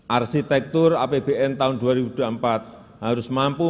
arsitektur apbn tahun dua ribu dua puluh empat harus mampu